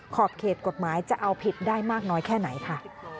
ขอบเขตกฎหมายจะเอาผิดได้มากน้อยแค่ไหนค่ะ